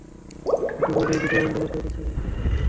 যুদ্ধাপরাধীদের বিচার বন্ধ করতে এদের সারা বিশ্ব থেকে ডেকে আনা হয়েছে।